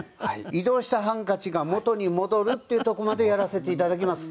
移動したハンカチが元に戻るっていうとこまでやらせて頂きます。